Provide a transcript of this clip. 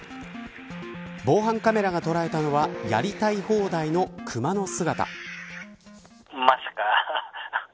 防犯カメラが捉えたのはやりたい放題のクマの姿。